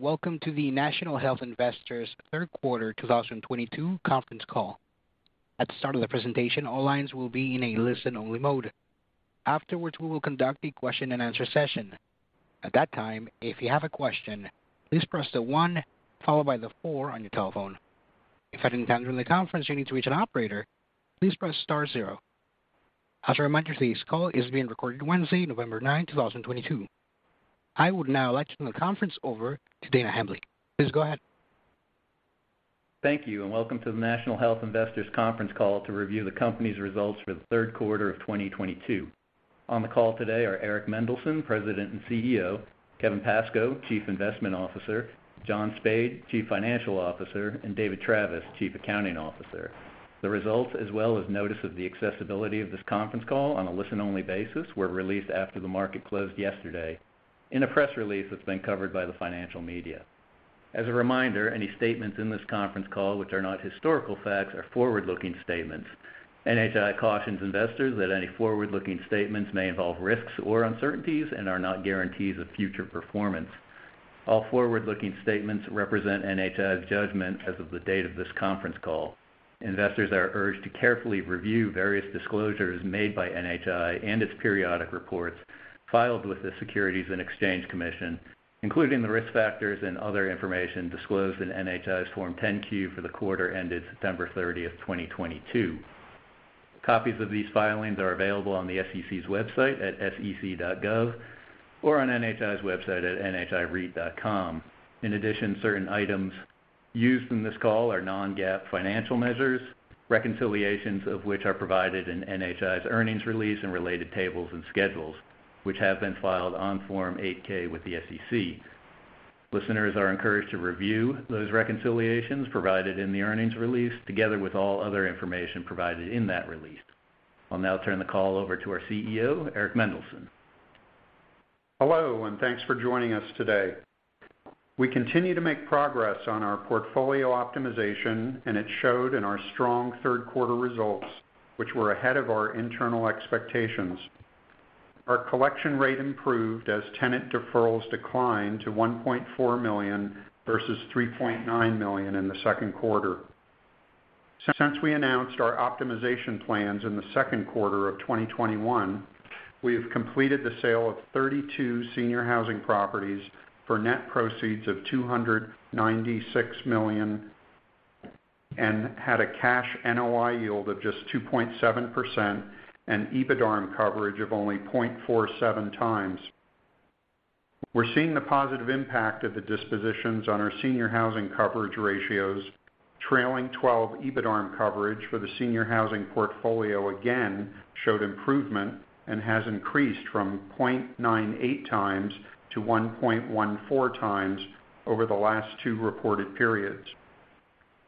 Welcome to the National Health Investors third quarter 2022 conference call. At the start of the presentation, all lines will be in a listen-only mode. Afterwards, we will conduct the question-and-answer session. At that time, if you have a question, please press the one followed by the four on your telephone. If at any time during the conference, you need to reach an operator, please press star zero. As a reminder, today's call is being recorded Wednesday, November 9, 2022. I would now like to turn the conference over to Dana Hambly. Please go ahead. Thank you, and welcome to the National Health Investors conference call to review the company's results for the third quarter of 2022. On the call today are Eric Mendelsohn, President and CEO, Kevin Pascoe, Chief Investment Officer, John Spaid, Chief Financial Officer, and David Travis, Chief Accounting Officer. The results, as well as notice of the accessibility of this conference call on a listen-only basis, were released after the market closed yesterday in a press release that's been covered by the financial media. As a reminder, any statements in this conference call which are not historical facts are forward-looking statements. NHI cautions investors that any forward-looking statements may involve risks or uncertainties and are not guarantees of future performance. All forward-looking statements represent NHI's judgment as of the date of this conference call. Investors are urged to carefully review various disclosures made by NHI and its periodic reports filed with the Securities and Exchange Commission, including the risk factors and other information disclosed in NHI's Form 10-Q for the quarter ended September 30th, 2022. Copies of these filings are available on the SEC's website at sec.gov or on NHI's website at nhireit.com. In addition, certain items used in this call are non-GAAP financial measures, reconciliations of which are provided in NHI's earnings release and related tables and schedules, which have been filed on Form 8-K with the SEC. Listeners are encouraged to review those reconciliations provided in the earnings release together with all other information provided in that release. I'll now turn the call over to our CEO, Eric Mendelsohn. Hello, and thanks for joining us today. We continue to make progress on our portfolio optimization, and it showed in our strong third quarter results, which were ahead of our internal expectations. Our collection rate improved as tenant deferrals declined to $1.4 million versus $3.9 million in the second quarter. Since we announced our optimization plans in the second quarter of 2021, we have completed the sale of 32 senior housing properties for net proceeds of $296 million and had a cash NOI yield of just 2.7% and EBITDARM coverage of only 0.47x. We're seeing the positive impact of the dispositions on our senior housing coverage ratios. Trailing twelve EBITDARM coverage for the senior housing portfolio again showed improvement and has increased from 0.98x to 1.14x over the last two reported periods.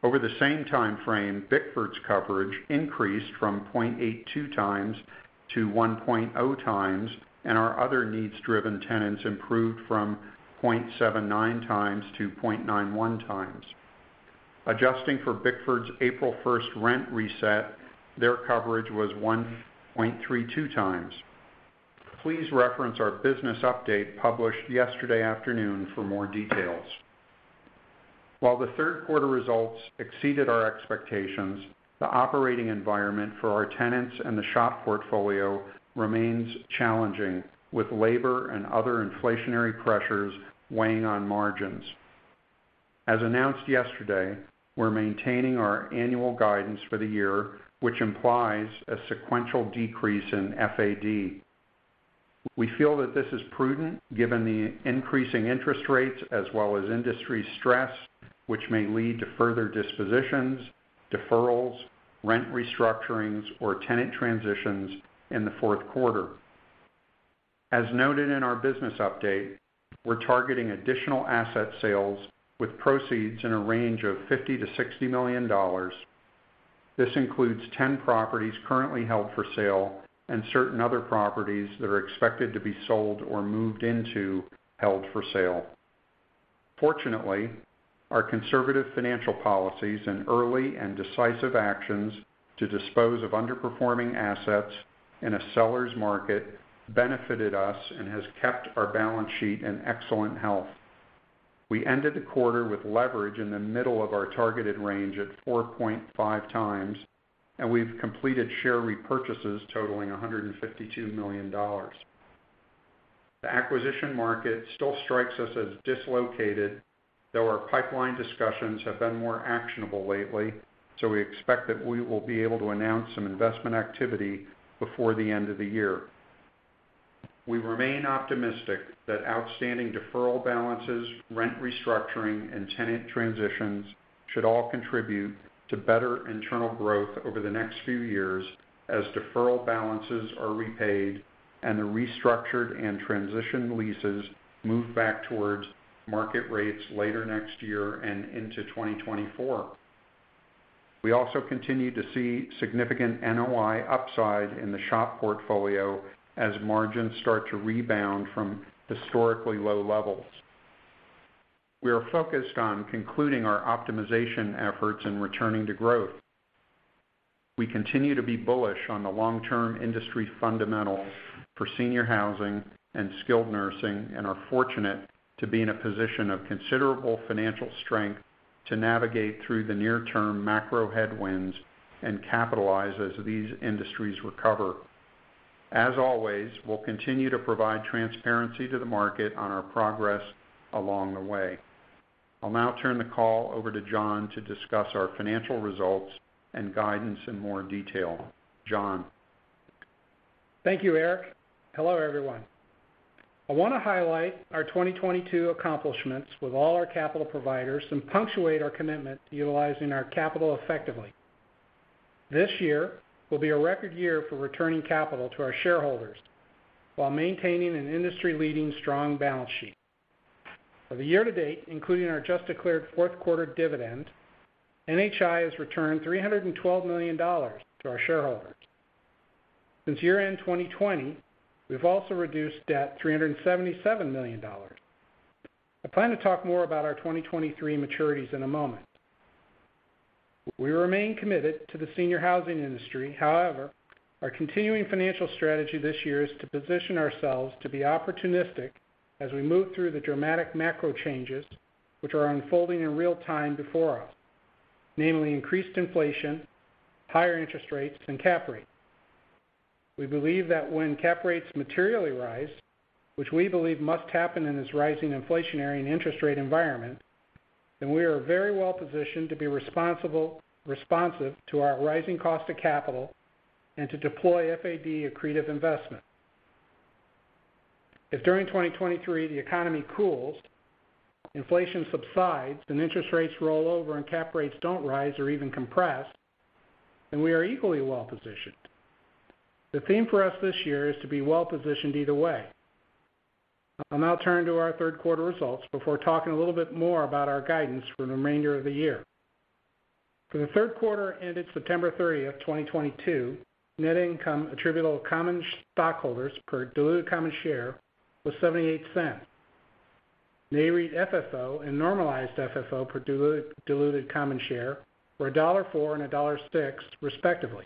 Over the same time frame, Bickford's coverage increased from 0.82x to 1.0x, and our other needs-driven tenants improved from 0.79x to 0.91x. Adjusting for Bickford's April 1st rent reset, their coverage was 1.32x. Please reference our business update published yesterday afternoon for more details. While the third quarter results exceeded our expectations, the operating environment for our tenants and the SHOP portfolio remains challenging, with labor and other inflationary pressures weighing on margins. As announced yesterday, we're maintaining our annual guidance for the year, which implies a sequential decrease in FAD. We feel that this is prudent given the increasing interest rates as well as industry stress, which may lead to further dispositions, deferrals, rent restructurings, or tenant transitions in the fourth quarter. As noted in our business update, we're targeting additional asset sales with proceeds in a range of $50 million-$60 million. This includes 10 properties currently held for sale and certain other properties that are expected to be sold or moved into held for sale. Fortunately, our conservative financial policies and early and decisive actions to dispose of underperforming assets in a seller's market benefited us and has kept our balance sheet in excellent health. We ended the quarter with leverage in the middle of our targeted range at 4.5x, and we've completed share repurchases totaling $152 million. The acquisition market still strikes us as dislocated, though our pipeline discussions have been more actionable lately, so we expect that we will be able to announce some investment activity before the end of the year. We remain optimistic that outstanding deferral balances, rent restructuring, and tenant transitions should all contribute to better internal growth over the next few years as deferral balances are repaid and the restructured and transitioned leases move back towards market rates later next year and into 2024. We also continue to see significant NOI upside in the SHOP portfolio as margins start to rebound from historically low levels. We are focused on concluding our optimization efforts and returning to growth. We continue to be bullish on the long-term industry fundamentals for senior housing and Skilled Nursing and are fortunate to be in a position of considerable financial strength to navigate through the near-term macro headwinds and capitalize as these industries recover. As always, we'll continue to provide transparency to the market on our progress along the way. I'll now turn the call over to John to discuss our financial results and guidance in more detail. John? Thank you, Eric. Hello, everyone. I want to highlight our 2022 accomplishments with all our capital providers and punctuate our commitment to utilizing our capital effectively. This year will be a record year for returning capital to our shareholders while maintaining an industry-leading strong balance sheet. For the year-to-date, including our just-declared fourth quarter dividend, NHI has returned $312 million to our shareholders. Since year-end 2020, we've also reduced debt $377 million. I plan to talk more about our 2023 maturities in a moment. We remain committed to the senior housing industry. However, our continuing financial strategy this year is to position ourselves to be opportunistic as we move through the dramatic macro changes which are unfolding in real time before us, namely increased inflation, higher interest rates, and cap rates. We believe that when cap rates materially rise, which we believe must happen in this rising inflationary and interest rate environment, then we are very well positioned to be responsible, responsive to our rising cost of capital and to deploy FAD accretive investment. If during 2023 the economy cools, inflation subsides, and interest rates roll over and cap rates don't rise or even compress, then we are equally well-positioned. The theme for us this year is to be well-positioned either way. I'll now turn to our third quarter results before talking a little bit more about our guidance for the remainder of the year. For the third quarter ended September 30th, 2022, net income attributable to common stockholders per diluted common share was $0.78. NAREIT FFO and normalized FFO per diluted common share were $1.04 and $1.06, respectively.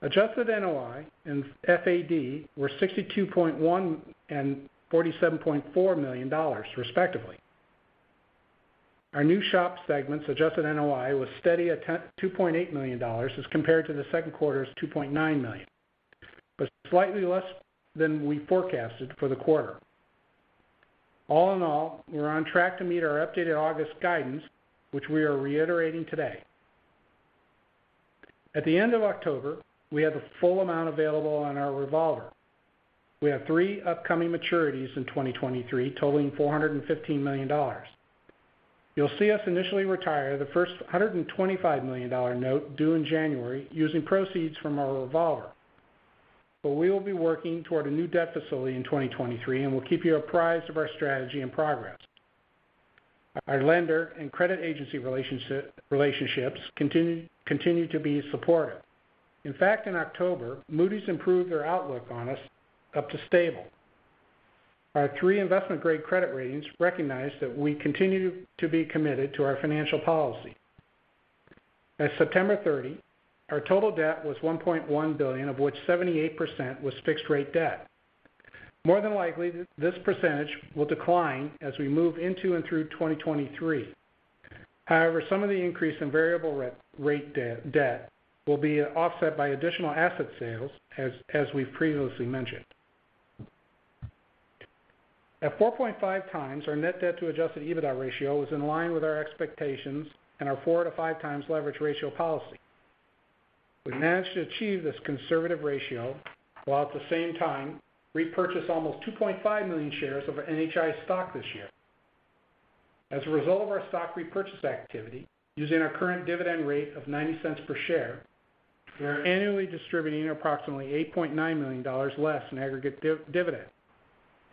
Adjusted NOI and FAD were $62.1 million and $47.4 million, respectively. Our new SHOP segment's adjusted NOI was steady at $2.8 million as compared to the second quarter's $2.9 milliont, but slightly less than we forecasted for the quarter. All in all, we're on track to meet our updated August guidance, which we are reiterating today. At the end of October, we had the full amount available on our revolver. We have three upcoming maturities in 2023 totaling $415 million. You'll see us initially retire the first $125 million note due in January using proceeds from our revolver. We will be working toward a new debt facility in 2023, and we'll keep you apprised of our strategy and progress. Our lender and credit agency relationships continue to be supportive. In fact, in October, Moody's improved their outlook on us up to stable. Our three investment-grade credit ratings recognize that we continue to be committed to our financial policy. As of September 30, our total debt was $1.1 billion, of which 78% was fixed-rate debt. More than likely, this percentage will decline as we move into and through 2023. However, some of the increase in variable rate debt will be offset by additional asset sales, as we've previously mentioned. At 4.5x, our net debt to adjusted EBITDA ratio was in line with our expectations and our 4x-5x leverage ratio policy. We managed to achieve this conservative ratio while at the same time repurchase almost 2.5 million shares of NHI stock this year. As a result of our stock repurchase activity, using our current dividend rate of $0.90 per share, we are annually distributing approximately $8.9 million less in aggregate dividend,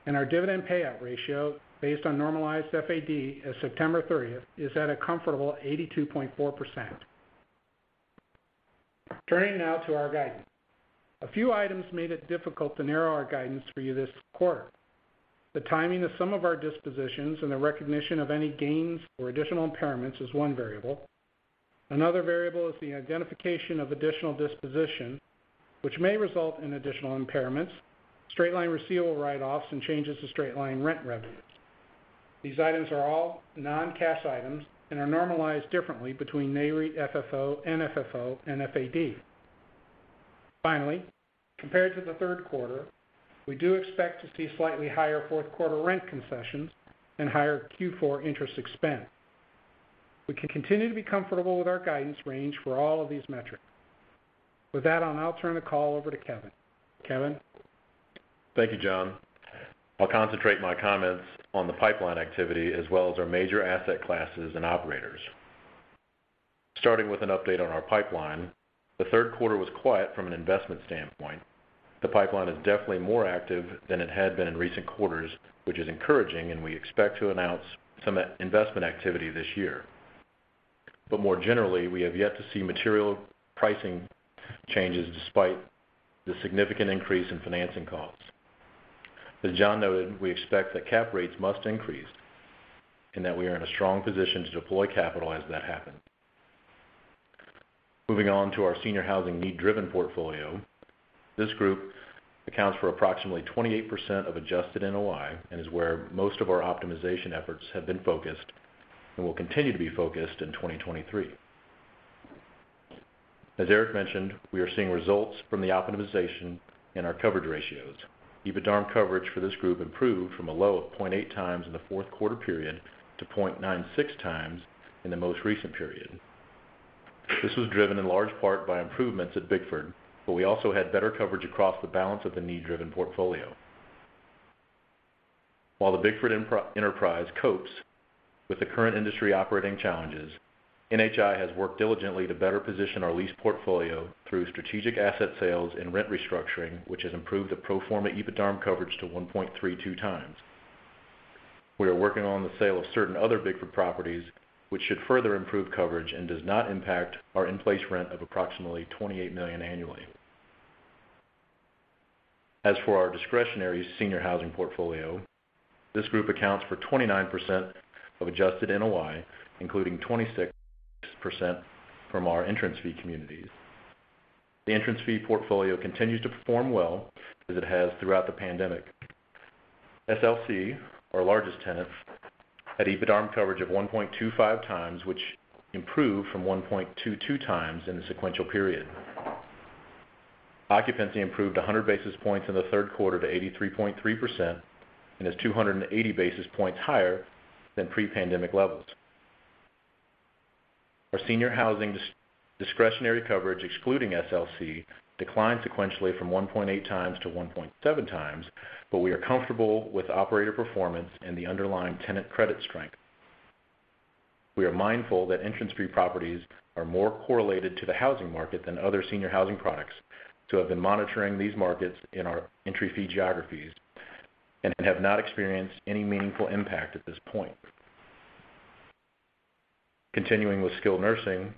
and our dividend payout ratio, based on normalized FAD as of September 30th, is at a comfortable 82.4%. Turning now to our guidance. A few items made it difficult to narrow our guidance for you this quarter. The timing of some of our dispositions and the recognition of any gains or additional impairments is one variable. Another variable is the identification of additional disposition, which may result in additional impairments, straight-line receivable write-offs, and changes to straight-line rent revenues. These items are all non-cash items and are normalized differently between NAREIT FFO, FFO and FAD. Finally, compared to the third quarter, we do expect to see slightly higher fourth quarter rent concessions and higher Q4 interest expense. We can continue to be comfortable with our guidance range for all of these metrics. With that, I'll now turn the call over to Kevin. Kevin? Thank you, John. I'll concentrate my comments on the pipeline activity as well as our major asset classes and operators. Starting with an update on our pipeline, the third quarter was quiet from an investment standpoint. The pipeline is definitely more active than it had been in recent quarters, which is encouraging, and we expect to announce some investment activity this year. More generally, we have yet to see material pricing changes despite the significant increase in financing costs. As John noted, we expect that cap rates must increase and that we are in a strong position to deploy capital as that happens. Moving on to our senior housing need-driven portfolio. This group accounts for approximately 28% of adjusted NOI and is where most of our optimization efforts have been focused and will continue to be focused in 2023. As Eric mentioned, we are seeing results from the optimization in our coverage ratios. EBITDARM coverage for this group improved from a low of 0.8x in the fourth quarter period to 0.96x in the most recent period. This was driven in large part by improvements at Bickford, but we also had better coverage across the balance of the need-driven portfolio. While the Bickford enterprise copes with the current industry operating challenges, NHI has worked diligently to better position our lease portfolio through strategic asset sales and rent restructuring, which has improved the pro forma EBITDARM coverage to 1.32x. We are working on the sale of certain other Bickford properties, which should further improve coverage and does not impact our in-place rent of approximately $28 million annually. As for our discretionary senior housing portfolio, this group accounts for 29% of adjusted NOI, including 26% from our entrance fee communities. The entrance fee portfolio continues to perform well as it has throughout the pandemic. SLC, our largest tenant, had EBITDARM coverage of 1.25x, which improved from 1.22x in the sequential period. Occupancy improved 100 basis points in the third quarter to 83.3% and is 280 basis points higher than pre-pandemic levels. Our senior housing discretionary coverage, excluding SLC, declined sequentially from 1.8x to 1.7x, but we are comfortable with operator performance and the underlying tenant credit strength. We are mindful that entrance fee properties are more correlated to the housing market than other senior housing products, so have been monitoring these markets in our entry fee geographies and have not experienced any meaningful impact at this point. Continuing with Skilled Nursing,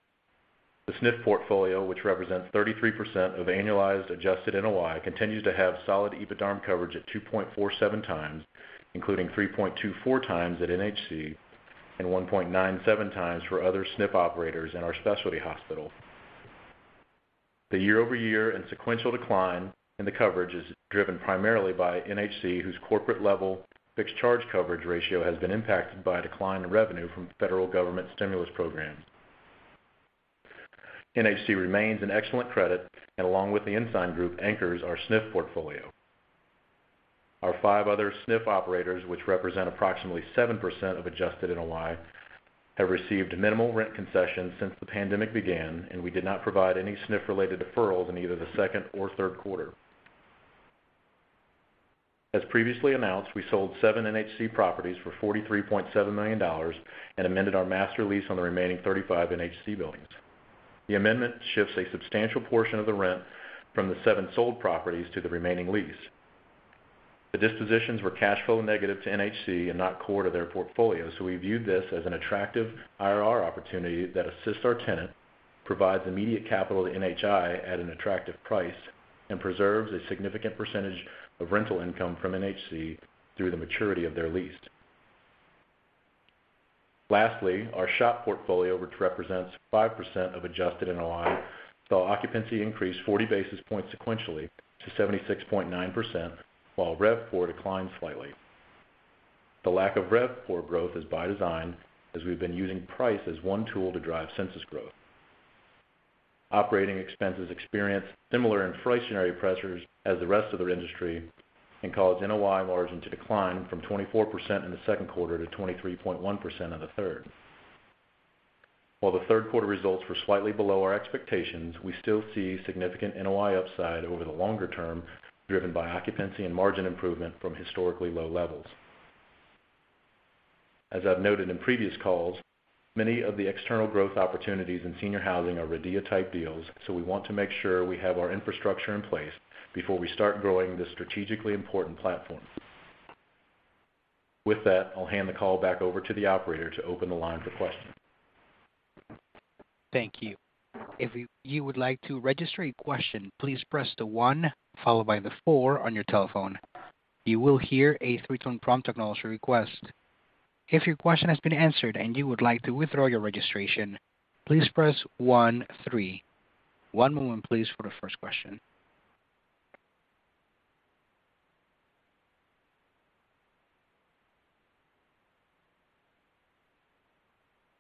the SNF portfolio, which represents 33% of annualized adjusted NOI, continues to have solid EBITDARM coverage at 2.47x, including 3.24x at NHC and 1.97x for other SNF operators in our specialty hospital. The year-over-year and sequential decline in the coverage is driven primarily by NHC, whose corporate level fixed charge coverage ratio has been impacted by a decline in revenue from federal government stimulus programs. NHC remains an excellent credit and along with the Ensign Group anchors our SNF portfolio. Our five other SNF operators, which represent approximately 7% of adjusted NOI, have received minimal rent concessions since the pandemic began, and we did not provide any SNF related deferrals in either the second or third quarter. As previously announced, we sold seven NHC properties for $43.7 million and amended our master lease on the remaining 35 NHC buildings. The amendment shifts a substantial portion of the rent from the seven sold properties to the remaining lease. The dispositions were cash flow negative to NHC and not core to their portfolio, so we viewed this as an attractive IRR opportunity that assists our tenant, provides immediate capital to NHI at an attractive price, and preserves a significant percentage of rental income from NHC through the maturity of their lease. Lastly, our SHOP portfolio, which represents 5% of adjusted NOI, saw occupancy increase 40 basis points sequentially to 76.9%, while RevPOR declined slightly. The lack of RevPOR growth is by design as we've been using price as one tool to drive census growth. Operating expenses experienced similar inflationary pressures as the rest of their industry and caused NOI margin to decline from 24% in the second quarter to 23.1% in the third. While the third quarter results were slightly below our expectations, we still see significant NOI upside over the longer term, driven by occupancy and margin improvement from historically low levels. As I've noted in previous calls, many of the external growth opportunities in senior housing are RIDEA type deals, so we want to make sure we have our infrastructure in place before we start growing this strategically important platform. With that, I'll hand the call back over to the operator to open the line for questions. Thank you. If you would like to register a question, please press one followed by the four on your telephone. You will hear a three-tone prompt acknowledging your request. If your question has been answered and you would like to withdraw your registration, please press one three. One moment please for the first question.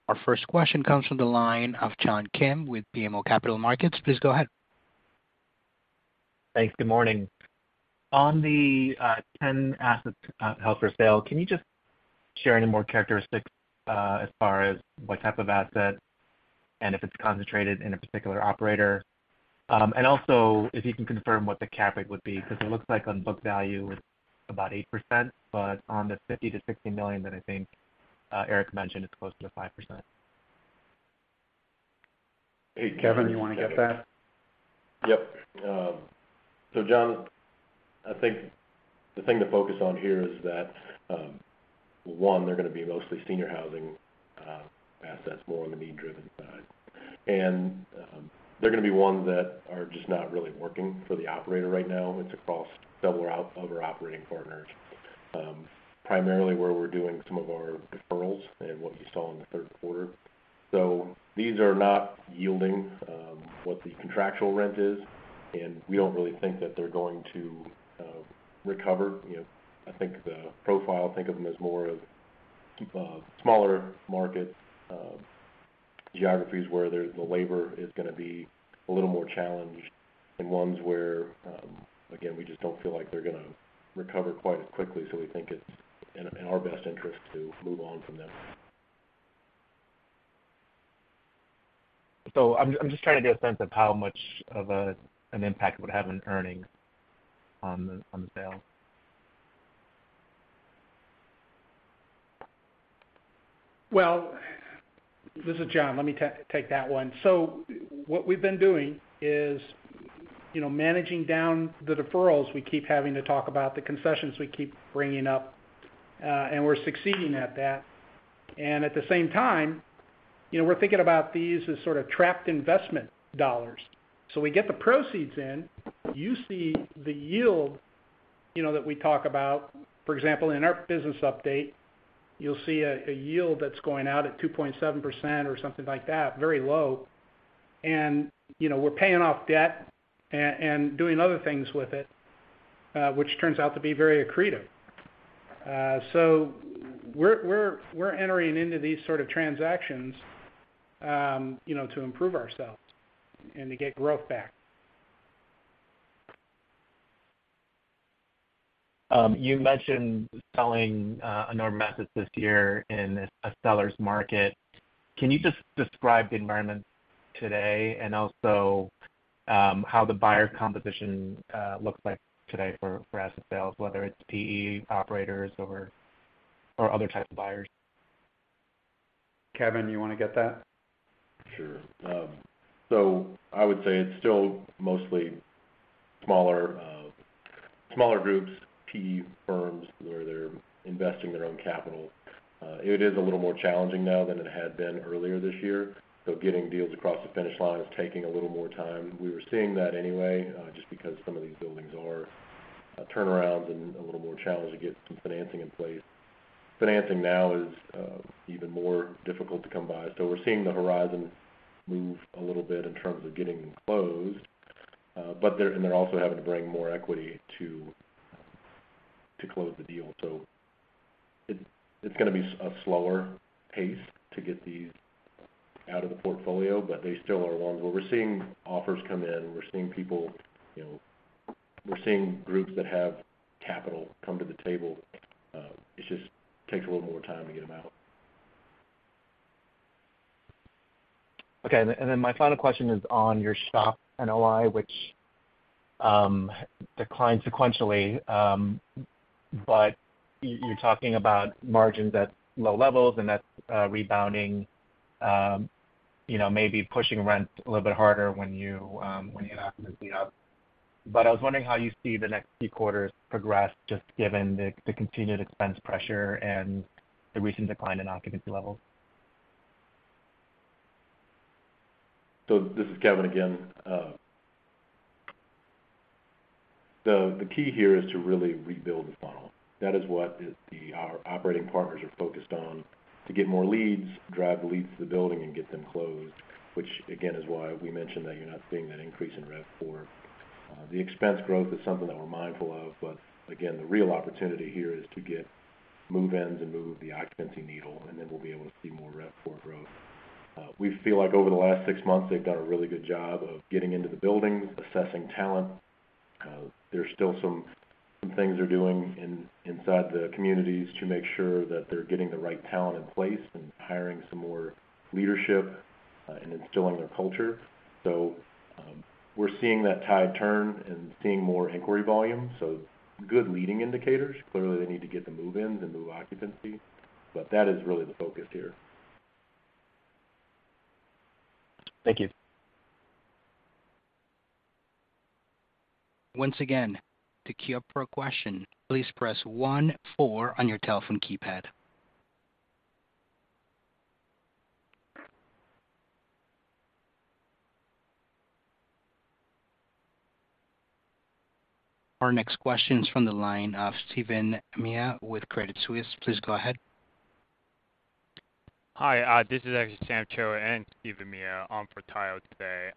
Our first question comes from the line of John Kim with BMO Capital Markets. Please go ahead. Thanks. Good morning. On the 10 assets held for sale, can you just share any more characteristics as far as what type of asset and if it's concentrated in a particular operator? Also if you can confirm what the CapEx would be, because it looks like on book value it's about 8%, but on the $50 million-$60 million that I think Eric mentioned, it's closer to 5%. Hey, Kevin, you wanna get that? Yep. John, I think the thing to focus on here is that. One, they're gonna be mostly senior housing assets, more on the need-driven side. They're gonna be ones that are just not really working for the operator right now. It's across several other operating partners, primarily where we're doing some of our deferrals and what you saw in the third quarter. These are not yielding what the contractual rent is, and we don't really think that they're going to recover. You know, I think the profile. Think of them as more of smaller markets, geographies where the labor is gonna be a little more challenged and ones where, again, we just don't feel like they're gonna recover quite as quickly, so we think it's in our best interest to move on from them. I'm just trying to get a sense of how much of an impact it would have in earnings on the sale. Well, this is John. Let me take that one. What we've been doing is, you know, managing down the deferrals we keep having to talk about, the concessions we keep bringing up, and we're succeeding at that. At the same time, you know, we're thinking about these as sort of trapped investment dollars. We get the proceeds in, you see the yield, you know, that we talk about. For example, in our business update, you'll see a yield that's going out at 2.7% or something like that, very low. You know, we're paying off debt and doing other things with it, which turns out to be very accretive. We're entering into these sort of transactions, you know, to improve ourselves and to get growth back. You mentioned selling a number of assets this year in a seller's market. Can you just describe the environment today and also how the buyer composition looks like today for asset sales, whether it's PE operators or other types of buyers? Kevin, you wanna get that? Sure. I would say it's still mostly smaller groups, PE firms where they're investing their own capital. It is a little more challenging now than it had been earlier this year, so getting deals across the finish line is taking a little more time. We were seeing that anyway, just because some of these buildings are turnarounds and a little more challenged to get some financing in place. Financing now is even more difficult to come by, so we're seeing the horizon move a little bit in terms of getting them closed. They're also having to bring more equity to close the deal. It's gonna be a slower pace to get these out of the portfolio, but they still are ones where we're seeing offers come in, we're seeing people, you know, we're seeing groups that have capital come to the table. It just takes a little more time to get them out. Okay. Then my final question is on your SHOP NOI, which declined sequentially, but you're talking about margins at low levels, and that's rebounding, you know, maybe pushing rent a little bit harder when you have to move unit up. I was wondering how you see the next few quarters progress, just given the continued expense pressure and the recent decline in occupancy levels. This is Kevin again. The key here is to really rebuild the funnel. That is what our operating partners are focused on to get more leads, drive the leads to the building and get them closed, which again, is why we mentioned that you're not seeing that increase in RevPOR. The expense growth is something that we're mindful of, but again, the real opportunity here is to get move-ins and move the occupancy needle, and then we'll be able to see more RevPOR growth. We feel like over the last six months, they've done a really good job of getting into the buildings, assessing talent. There's still some things they're doing inside the communities to make sure that they're getting the right talent in place and hiring some more leadership, and instilling their culture. We're seeing that tide turn and seeing more inquiry volume, so good leading indicators. Clearly, they need to get the move-ins and move occupancy, but that is really the focus here. Thank you. Once again, to queue up for a question, please press one four on your telephone keypad. Our next question is from the line of Stephen Mea with Credit Suisse. Please go ahead. Hi, this is actually Jonathan Hughes and Stephen Mea on for Tyler today.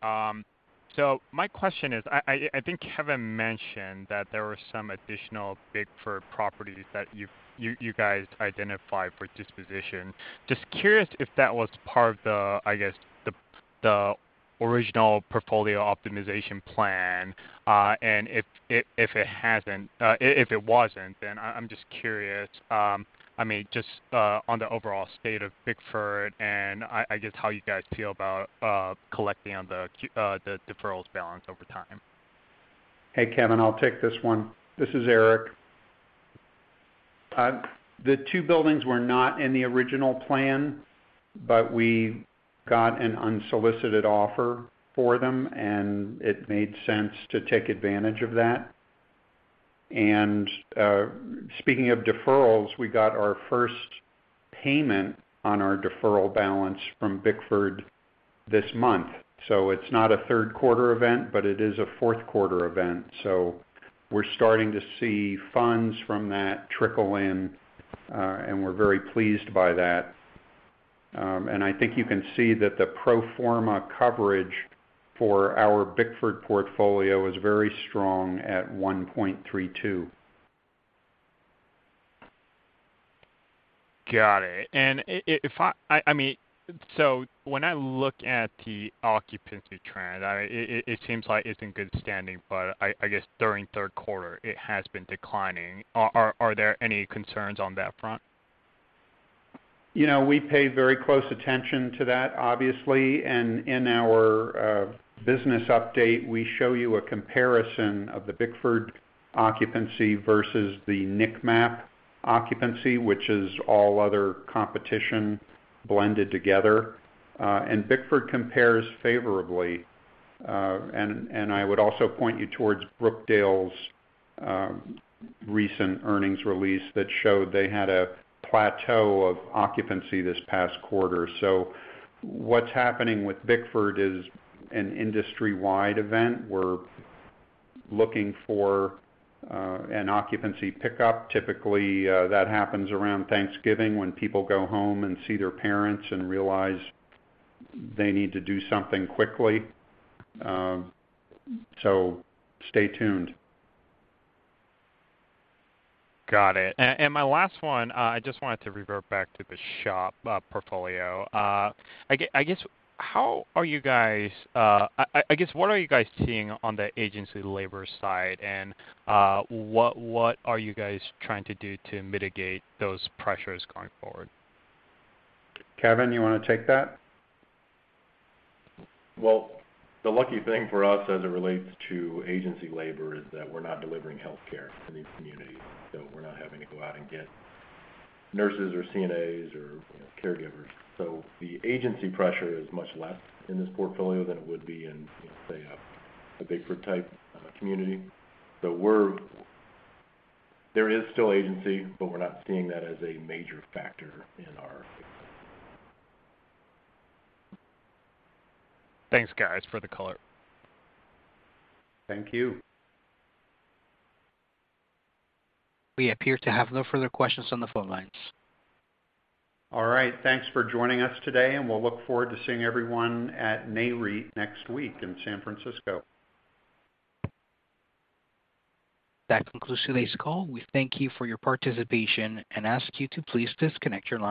My question is, I think Kevin mentioned that there were some additional Bickford properties that you guys identified for disposition. Just curious if that was part of the, I guess, the original portfolio optimization plan. If it wasn't, then I'm just curious, I mean, just on the overall state of Bickford and I guess how you guys feel about collecting on the deferrals balance over time. Hey, Kevin, I'll take this one. This is Eric. The two buildings were not in the original plan, but we Got an unsolicited offer for them, and it made sense to take advantage of that. Speaking of deferrals, we got our first payment on our deferral balance from Bickford this month. It's not a third quarter event, but it is a fourth quarter event. We're starting to see funds from that trickle in, and we're very pleased by that. I think you can see that the pro forma coverage for our Bickford portfolio is very strong at 1.32x. Got it. If I mean when I look at the occupancy trend, it seems like it's in good standing, but I guess during third quarter, it has been declining. Are there any concerns on that front? You know, we pay very close attention to that, obviously. In our business update, we show you a comparison of the Bickford occupancy versus the NIC MAP occupancy, which is all other competition blended together. Bickford compares favorably. I would also point you towards Brookdale's recent earnings release that showed they had a plateau of occupancy this past quarter. What's happening with Bickford is an industry-wide event. We're looking for an occupancy pickup. Typically, that happens around Thanksgiving when people go home and see their parents and realize they need to do something quickly. Stay tuned. Got it. My last one, I just wanted to revert back to the SHOP portfolio. I guess what are you guys seeing on the agency labor side, and what are you guys trying to do to mitigate those pressures going forward? Kevin, you wanna take that? Well, the lucky thing for us as it relates to agency labor is that we're not delivering healthcare in these communities, so we're not having to go out and get nurses or CNAs or, you know, caregivers. The agency pressure is much less in this portfolio than it would be in, say, a Bickford type community. There is still agency, but we're not seeing that as a major factor in our mix. Thanks, guys, for the color. Thank you. We appear to have no further questions on the phone lines. All right. Thanks for joining us today, and we'll look forward to seeing everyone at NAREIT next week in San Francisco. That concludes today's call. We thank you for your participation and ask you to please disconnect your lines.